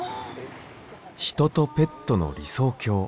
「人とペットの理想郷」。